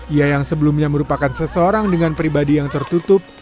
ia yang sebelumnya merupakan seseorang dengan pribadi yang tertutup